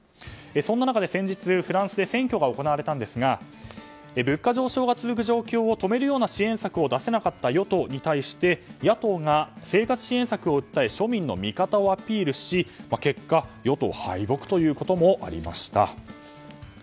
そんな中で先日、フランスで選挙が行われたんですが物価上昇が続く状況を止めるような支援策を出せなかった与党に対して野党が生活支援策を訴え庶民の味方をアピールし結果、与党が敗北したということもありました。